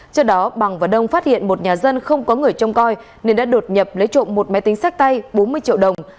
trước đó bằng và đông phát hiện một nhà dân không có người trông coi nên đã đột nhập lấy trộm một máy tính sách tay bốn mươi triệu đồng